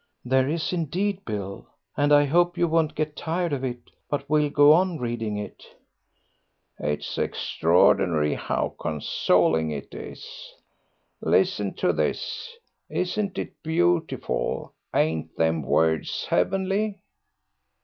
"There is, indeed, Bill; and I hope you won't get tired of it, but will go on reading it." "It's extraordinary how consoling it is. Listen to this. Isn't it beautiful; ain't them words heavenly?"